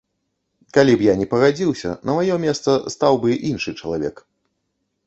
Калі б я не пагадзіўся, на маё месца стаў бы іншы чалавек.